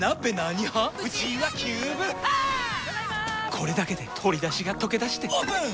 これだけで鶏だしがとけだしてオープン！